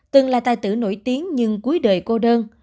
từng là tài tử nổi tiếng nhưng cuối đời cô đơn